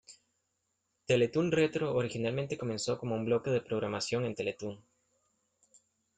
Teletoon Retro originalmente comenzó como un bloque de programación en Teletoon.